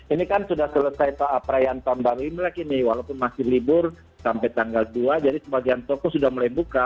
ini kan sudah selesai perayaan tahun baru imlek ini walaupun masih libur sampai tanggal dua jadi sebagian toko sudah mulai buka